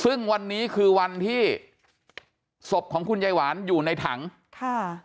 ซึ่งวันนี้คือวันที่ศพของคุณยายหวานอยู่ในถังค่ะ